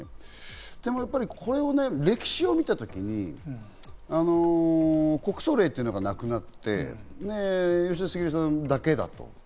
でもやっぱり歴史を見たときに国葬令というのがなくなって、吉田茂さんだけだと。